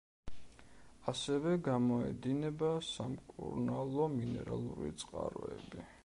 ასევე გამოედინება სამკურნალო მინერალური წყაროები.